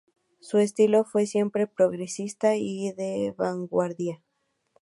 Su estilo fue siempre progresista y de vanguardia.